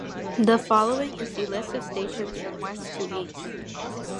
The following is the list of stations from west to east.